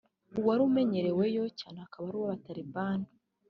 uwari umunyereweyo cyane akaba ari uw’abataliban